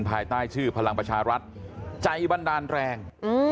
ภายใต้ชื่อพลังประชารัฐใจบันดาลแรง